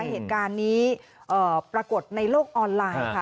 เหตุการณ์นี้ปรากฏในโลกออนไลน์ค่ะ